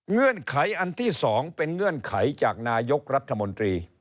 เงื่อนไขอันที่๒เป็นเงื่อนไขจากนายกรัฐมนตรี